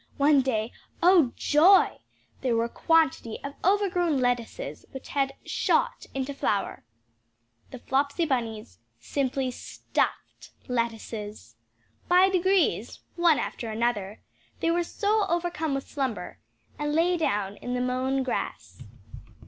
One day oh joy! there were a quantity of overgrown lettuces, which had "shot" into flower. The Flopsy Bunnies simply stuffed lettuces. By degrees, one after another, they were overcome with slumber, and lay down in the mown grass.